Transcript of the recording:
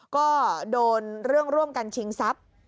ก็โดนเรื่องร่วมกันชิงทรัพย์